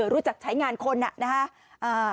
รู้จักใช้งานคนนะฮะ